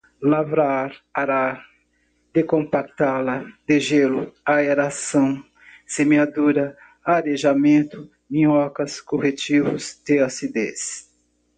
lavrar, arar, descompactá-la, degelo, aeração, semeadura, arejamento, minhocas, corretivos de acidez